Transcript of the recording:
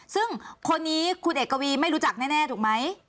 ซึ่งคนนี้คุณเอกวีไม่รู้จักแน่ถูกไหม